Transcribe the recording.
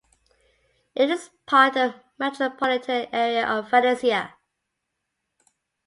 It is part of the metropolitan area of Valencia.